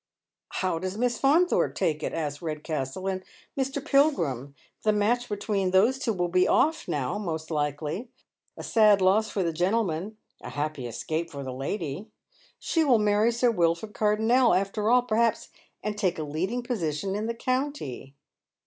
"How does Miss Faunthorpe take it ?" asks Redcastle, "and Mr. Pilgrim ? The match between those two will be off now, most likely. A sad loss for the gentleman, a happy escape fo* the lady. She will marry Sir Wilford Cardonnel after all, perhaps, and take a leading position in the county.